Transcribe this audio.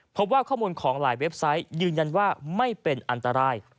พบว่าข้อมูลของหลายเว็บไซต์ยืนยันว่าไม่เป็นอันตราย